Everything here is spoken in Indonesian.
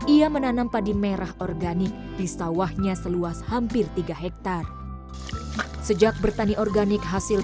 ia menanam padi merah organik di sawahnya seluas hampir tiga hektare sejak bertani organik hasil